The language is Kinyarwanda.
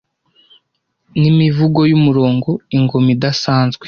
nimivugo yumurongo ingoma idasanzwe